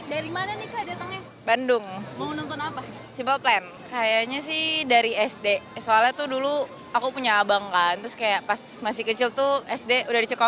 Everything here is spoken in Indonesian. dari mana nih kak datangnya bandung mau nonton apa ciple plan kayaknya sih dari sd soalnya tuh dulu aku punya abang kan terus kayak pas masih kecil tuh sd udah diceko